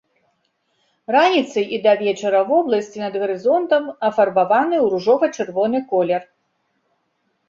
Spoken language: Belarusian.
Раніцай і да вечара вобласці над гарызонтам афарбаваны ў ружова-чырвоны колер.